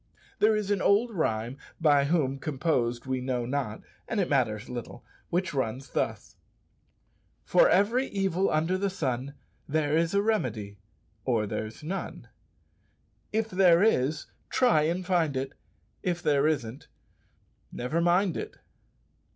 There is an old rhyme, by whom composed we know not, and it matters little, which runs thus, "For every evil under the sun There is a remedy or there's none. If there is try and find it; If there isn't never mind it!"